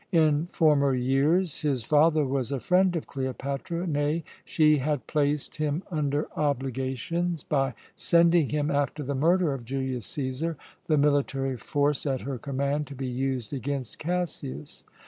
In former years his father was a friend of Cleopatra; nay, she had placed him under obligations by sending him, after the murder of Julius Cæsar, the military force at her command to be used against Cassius.